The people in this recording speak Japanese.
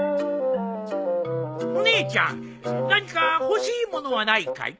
お姉ちゃん何か欲しい物はないかい？